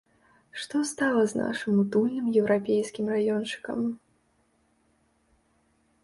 Што стала з нашым утульным еўрапейскім раёнчыкам?